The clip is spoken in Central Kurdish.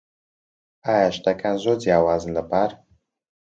ئایا شتەکان زۆر جیاوازن لە پار؟